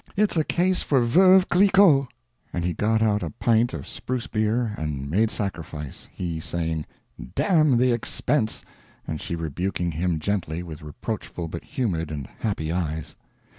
It's a case for Veuve Cliquot!" and he got out a pint of spruce beer and made sacrifice, he saying "Damn the expense," and she rebuking him gently with reproachful but humid and happy eyes.